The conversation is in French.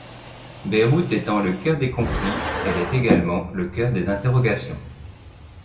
Beyrouth étant le cœur des conflits, elle est également le cœur des interrogations.